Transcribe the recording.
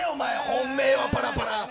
本命はパラパラ。